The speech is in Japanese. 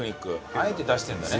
あえて出してるんだね。